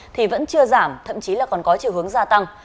thì vẫn chưa giảm thậm chí là còn có chiều hướng gia tăng